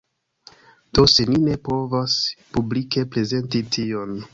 Do, se ni ne povas publike prezenti tion